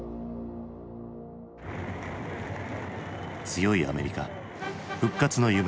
強いアメリカ復活の夢。